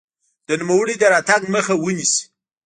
د نوموړي د راتګ مخه ونیسي.